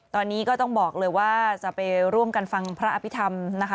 ตอนนี้ก็ต้องบอกเลยว่าจะไปร่วมกันฟังพระอภิษฐรรมนะคะ